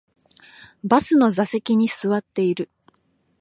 バスの座席に座っている